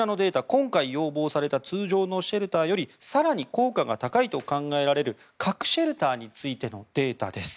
今回、要望された通常のシェルターより更に効果が高いと考えられる核シェルターについてのデータです。